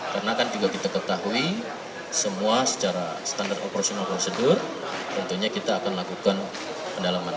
karena kan juga kita ketahui semua secara standar operasional prosedur tentunya kita akan melakukan pendalaman